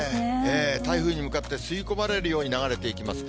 台風に向かって吸い込まれるように流れていきます。